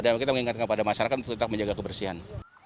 dan kita mengingatkan kepada masyarakat untuk tetap menjaga kebersihan